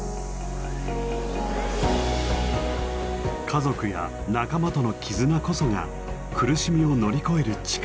家族や仲間との絆こそが苦しみを乗り越える力。